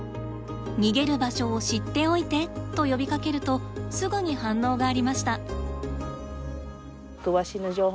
「逃げる場所を知っておいて」と呼びかけるとすぐに反応がありました。